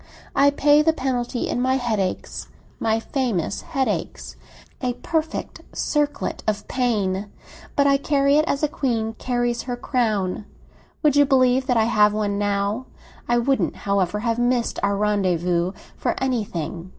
I pay the penalty in my headaches, my famous headaches—a perfect circlet of pain! But I carry it as a queen carries her crown. Would you believe that I have one now? I wouldn't, however, have missed our rendezvous for anything.